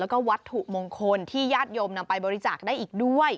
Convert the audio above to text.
แล้วก็วัตถุมงคลที่ญาติโยมนำไปบริจาคได้อีกด้วย